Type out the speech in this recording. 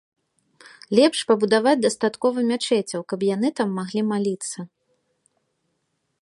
Лепш пабудаваць дастаткова мячэцяў, каб яны там маглі маліцца.